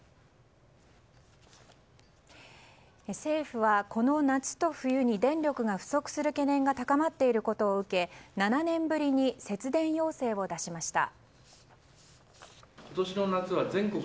政府はこの夏と冬に電力が不足する懸念が高まっていることを受け７年ぶりに節電要請を出しました。